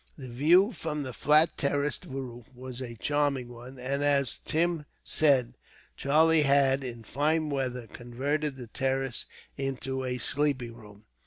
The view from the flat terraced roof was a charming one, and, as Tim said, Charlie had, in the fine weather, converted the terrace into a sleeping room.